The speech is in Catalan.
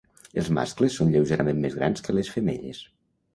Els mascles són lleugerament més grans que les femelles.